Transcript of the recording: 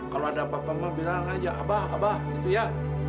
kalau ada papa mama bilang aja abah abah gitu ya